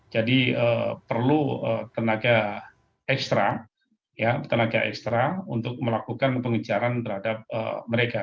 jadi perlu tenaga ekstra untuk melakukan pengejaran terhadap mereka